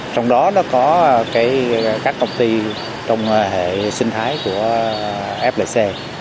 trong đó nó có các công ty trong hệ sinh thái của flc